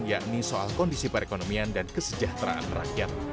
yakni soal kondisi perekonomian dan kesejahteraan rakyat